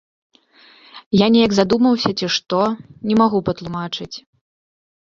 Я неяк задумаўся ці што, не магу патлумачыць.